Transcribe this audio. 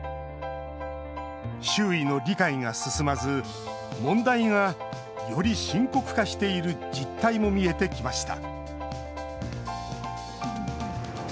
周囲の理解が進まず、問題がより深刻化している実態も見えてきました